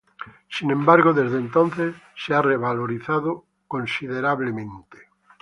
Sin embargo, desde entonces se ha revalorizado fuertemente.